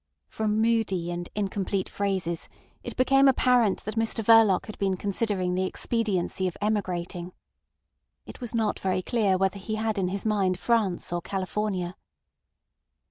From moody and incomplete phrases it became apparent that Mr Verloc had been considering the expediency of emigrating. It was not very clear whether he had in his mind France or California.